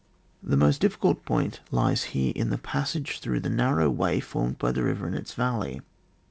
The most difficult point lies here in the passage through the narrow way formed by the river and its valley.